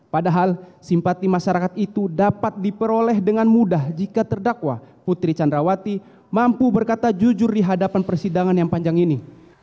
padahal simpati masyarakat itu dapat diperoleh dengan mudah jika terdakwa putri candrawati mampu berkata jujur di hadapan persidangan yang panjang ini